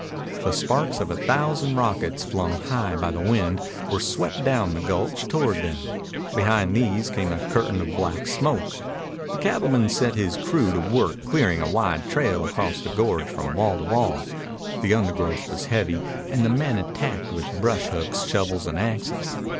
The sparks of a thousand rockets, flung high by the wind, were swept down the gulch toward them. Behind these came a curtain of black smoke. The cattleman set his crew to work clearing a wide trail across the gorge from wall to wall. The undergrowth was heavy, and the men attacked with brush hooks, shovels, and axes.